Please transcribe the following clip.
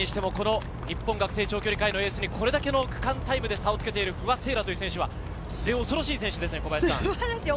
日本学生長距離界のエースにこれだけの区間、タイムで差をつけている不破聖衣来は恐ろしい選手ですね。